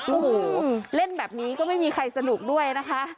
โอ้โหเล่นแบบนี้ก็ไม่มีใครสนุกด้วยนะคะ